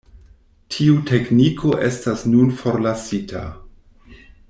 Tiu tekniko estas nun forlasita.